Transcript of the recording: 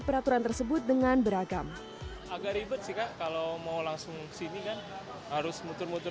peraturan tersebut dengan beragam agar ibadah kalau mau langsung sini kan harus muter muter